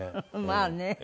まあね。